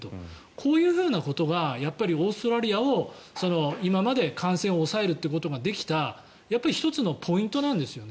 こういうことがオーストラリアは今まで感染を抑えるということができた１つのポイントなんですよね。